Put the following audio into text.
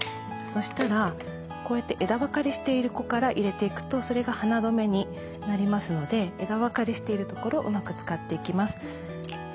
そしたらこうやって枝分かれしている子から入れていくとそれが花留めになりますので枝分かれしているところうまく使っていきます。